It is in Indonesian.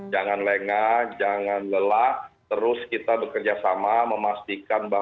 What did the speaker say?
jangan lengah jangan lelah terus kita bekerjasama memastikan bahwa seluruh protokos dapat dilaksanakan dengan baik